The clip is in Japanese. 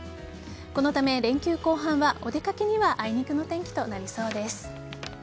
このため連休後半はお出掛けにはあいにくの天気となりそうです。